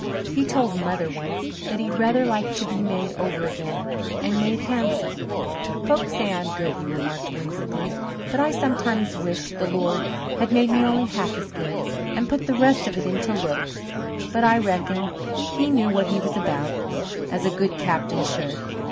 He told Mother once that he'd rather like to be made over again and made handsome. "Folks say I'm good," he remarked whimsically, "but I sometimes wish the Lord had made me only half as good and put the rest of it into looks. But I reckon He knew what He was about, as a good Captain should.